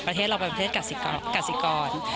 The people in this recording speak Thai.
ประเทศเราเป็นประเทศกสิกร